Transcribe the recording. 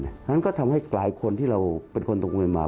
เพราะฉะนั้นก็ทำให้กลายคนที่เราเป็นคนตกเงินมา